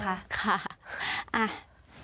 ค่ะอะว่ากันไป